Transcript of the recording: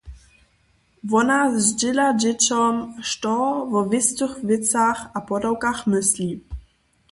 Wona zdźěla dźěćom, što wo wěstych wěcach a podawkach mysli.